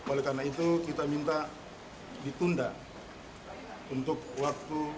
oleh karena itu kita minta ditunda untuk waktu